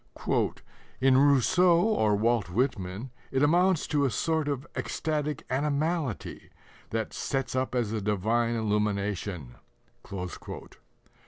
"In Rousseau or Walt Whitman it amounts to a sort of ecstatic animality that sets up as a divine illumination."